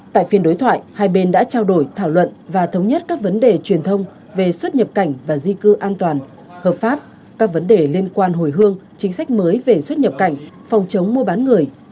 tại phiên đối thoại hai bên đã trao đổi thảo luận và thống nhất các vấn đề truyền thông về xuất nhập cảnh và di cư an toàn hợp pháp các vấn đề liên quan hồi hương chính sách mới về xuất nhập cảnh phòng chống mua bán người